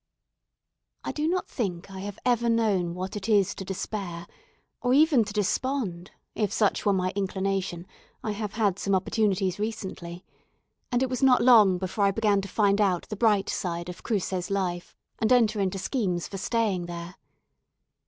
I do not think I have ever known what it is to despair, or even to despond (if such were my inclination, I have had some opportunities recently), and it was not long before I began to find out the bright side of Cruces life, and enter into schemes for staying there.